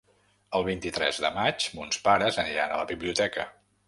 El vint-i-tres de maig mons pares aniran a la biblioteca.